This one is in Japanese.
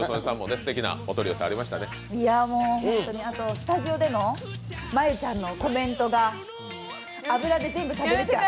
スタジオでの真悠ちゃんのコメントが、脂で全部食べれちゃう。